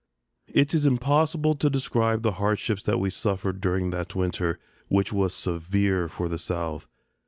It is impossible to describe the hardships that we suffered during that winter, which was severe for the South.